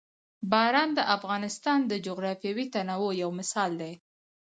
باران د افغانستان د جغرافیوي تنوع یو مثال دی.